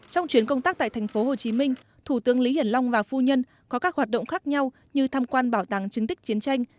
trong chuyến công tác tại thành phố hồ chí minh thủ tướng lý hiển long và phu nhân có các hoạt động khác nhau như tham quan bảo tàng chứng tích chiến tranh